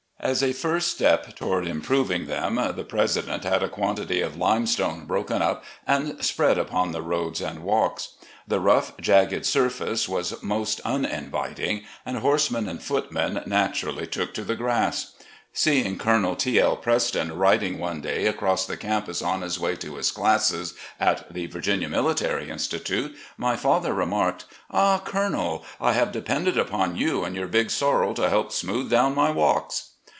As a first step toward improving them the president had a quantity of limestone broken up and spread upon the roads and walks. The rough, jagged surface was most 262 RECX)LLECTIONS OF GENERAL LEE •uninviting, and horsemen and footmen naturally took to the grass. Seeing Colonel T. L. Preston riding one day across the camptis on his way to his classes at the Vii'ginia Military Institute, my father remarked: "Ah, Colonel, I have depended upon you and your big sorrel to help smooth do'wn my •walks